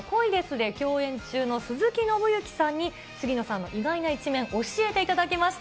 で共演中の鈴木伸之さんに、杉野さんの意外な一面、教えていただきました。